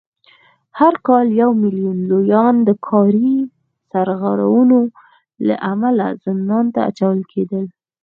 هر کال یو میلیون لویان د کاري سرغړونو له امله زندان ته اچول کېدل